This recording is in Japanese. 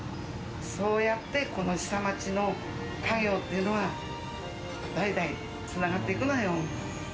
そうやって、この下町の家業っていうのは、代々つながっていくのよ。